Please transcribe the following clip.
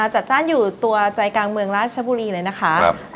จัดจ้านอยู่ตัวใจกลางเมืองราชบุรีเลยนะคะ